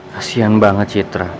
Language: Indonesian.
kasian banget citra